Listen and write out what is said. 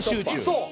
そう！